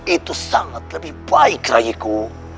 itu sangat lebih baik bagiku